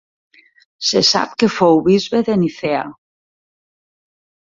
Se sap que fou bisbe de Nicea.